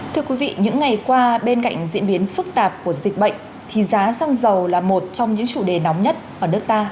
thưa quý vị những ngày qua bên cạnh diễn biến phức tạp của dịch bệnh thì giá xăng dầu là một trong những chủ đề nóng nhất ở nước ta